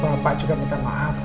bapak juga minta maaf